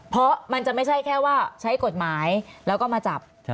เพราะมันจะไม่ใช่แค่ว่าใช้กฎหมายแล้วก็มาจับ